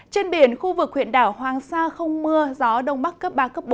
trên biển khu vực huyện đảo hoàng sa không mưa gió đông bắc cấp ba cấp bốn